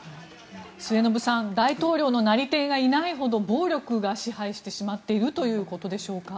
末延さん大統領のなり手がいないほど暴力が支配してしまっているということでしょうか。